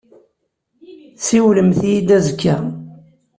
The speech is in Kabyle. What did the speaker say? Siwlemt-iyi-d azekka.